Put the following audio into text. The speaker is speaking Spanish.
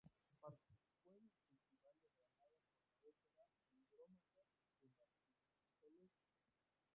Participó en el Festival de Granada con la ópera Andrómaca de Martín y Soler.